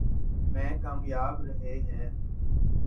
میں کامیاب رہے ہیں۔